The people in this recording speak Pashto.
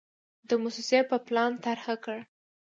د موسسې یو پلان طرحه کړ.